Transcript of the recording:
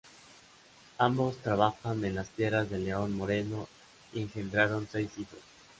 Ambos trabajaban en las tierras de León Moreno y engendraron seis hijos.